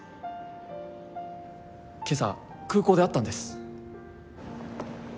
今朝空港で会ったんです。